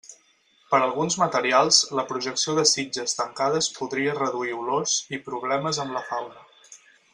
Per alguns materials la projecció de sitges tancades podria reduir olors i problemes amb la fauna.